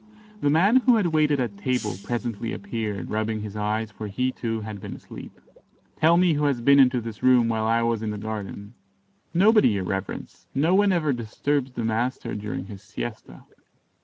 The man who had waited at table presently appeared, rubbing his eyes, for he, too, had been asleep. "Tell me who has been into this room while I was in the garden." "Nobody, your reverence; no one ever disturbs the master during his siesta."